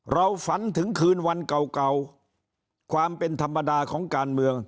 ฝันถึงคืนวันเก่าความเป็นธรรมดาของการเมือง